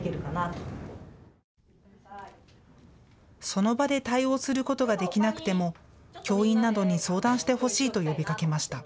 その場で対応することができなくても教員などに相談してほしいと呼びかけました。